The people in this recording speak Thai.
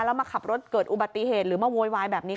แล้วมาขับรถเกิดอุบัติเหตุหรือมาโวยวายแบบนี้